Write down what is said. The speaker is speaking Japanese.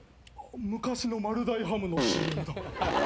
昔の丸大ハムのＣＭだ。